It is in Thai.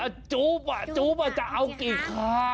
สมัดข้าวเด็ก